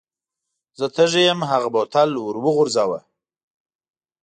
زه تږی یم هغه بوتل ور وغورځاوه.